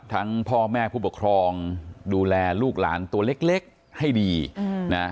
พ่อแม่ผู้ปกครองดูแลลูกหลานตัวเล็กให้ดีนะ